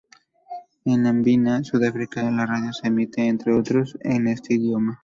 En Namibia y Sudáfrica, la radio se emite, entre otros, en este idioma.